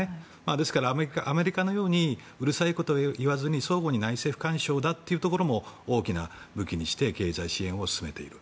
ですから、アメリカのようにうるさいことを言わずに相互に内政不干渉だということも大きな武器にして経済支援を進めている。